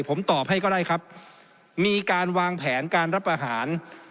ผมตอบให้ก็ได้ครับมีการวางแผนการรับอาหาร